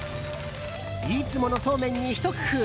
いつものそうめんに、ひと工夫。